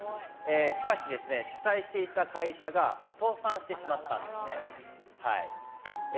しかし、主催していた会社が倒産してしまったんです。